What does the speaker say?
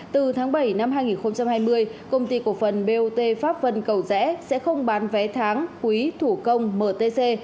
từ tháng bảy năm hai nghìn hai mươi công ty cổ phần bot pháp vân cầu rẽ sẽ không bán vé tháng quý thủ công mtc